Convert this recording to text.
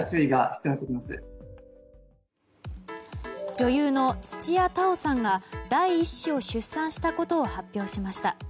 女優の土屋太鳳さんが第１子を出産したことを発表しました。